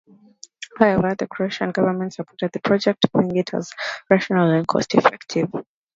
However, the Croatian government supported the project, viewing it as "rational and cost effective".